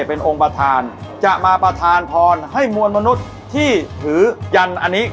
เป็นองค์ประธานจะมาประธานพรให้มวลมนุษย์ที่ถือยันอันนี้